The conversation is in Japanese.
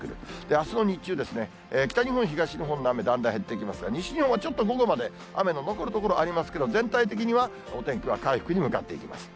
あすの日中、北日本、東日本の雨だんだん減ってきますが、西日本はちょっと午後まで雨の残る所ありますけど、全体的にはお天気は回復に向かっていきます。